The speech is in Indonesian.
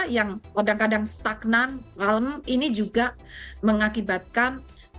yang kadang kadang stagnan malam ini juga mengakibatkan